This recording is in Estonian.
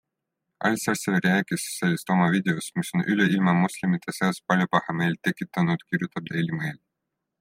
Al-Sersawi rääkis sellest oma videos, mis on üle ilma moslemite seas palju pahameelt tekitanud, kirjutab Daily Mail.